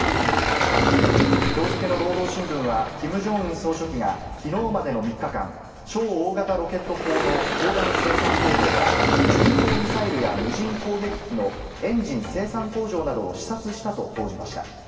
きょう付けの労働新聞は、キム・ジョンウン総書記がきのうまでの３日間、超大型ロケット砲の砲弾生産工場や、巡航ミサイルや無人攻撃機のエンジン生産工場などを視察したと報じました。